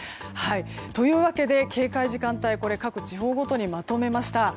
というわけで警戒時間帯を各地方ごとにまとめました。